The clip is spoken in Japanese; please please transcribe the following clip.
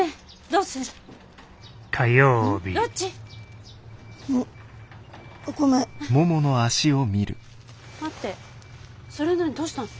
どうしたの？